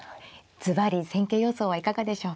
ずばり戦型予想はいかがでしょうか。